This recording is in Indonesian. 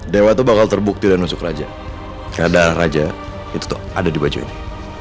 dewa tuh bakal terbukti dan masuk raja karena darah raja itu tuh ada di baju ini